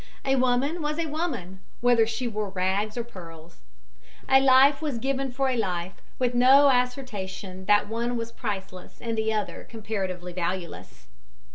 A woman was a woman, whether she wore rags or pearls. A life was given for a life, with no assertion that one was priceless and the other comparatively valueless.